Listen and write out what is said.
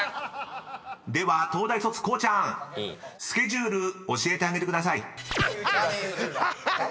［「スケジュール」教えてあげてください］